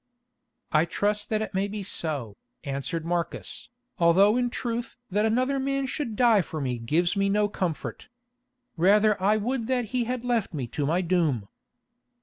"I trust that it may be so," answered Marcus, "although in truth that another man should die for me gives me no comfort. Rather would I that he had left me to my doom."